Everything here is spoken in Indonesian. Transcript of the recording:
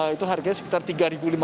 itu harganya sekitar rp tiga lima ratus